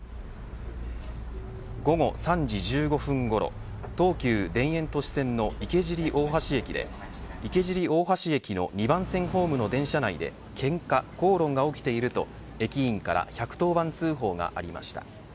午後３時１５分ごろ東急田園都市線の池尻大橋駅で池尻大橋駅の２番線ホームの電車内でけんか、口論が起きていると駅員から１１０番通報がありました。